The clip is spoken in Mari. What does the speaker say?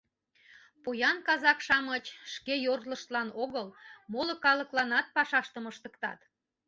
Поян казак-шамыч шке йорлыштлан огыл, моло калыкланат пашаштым ыштыктат...